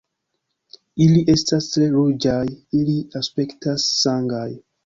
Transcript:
Ili estas tre ruĝaj. Ili aspektas sangaj.